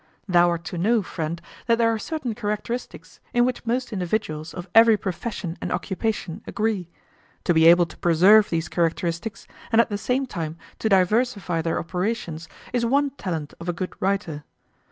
Thou art to know, friend, that there are certain characteristics in which most individuals of every profession and occupation agree. To be able to preserve these characteristics, and at the same time to diversify their operations, is one talent of a good writer.